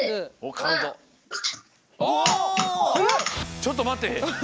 ちょっとまって。